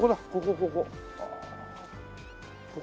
ここここ。